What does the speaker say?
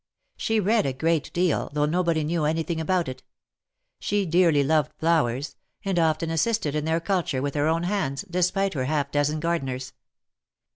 She read a great deal, though nobody knew any thing about it. She dearly loved flowers, and often assisted in their culture with her own hands, despite her half dozen gardeners.